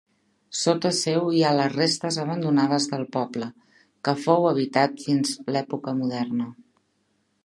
Sota seu hi ha les restes abandonades del poble, que fou habitat fins època moderna.